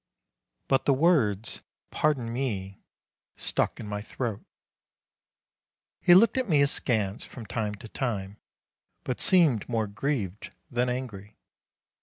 But the words, "pardon me," stuck in my throat. He looked at me askance from time to time, but seemed more grieved than angry.